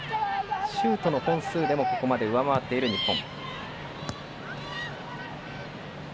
シュートの本数でもここまで上回っている日本。